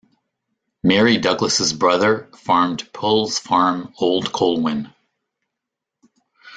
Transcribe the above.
Mary Douglas's brother farmed Peulws farm old Colwyn.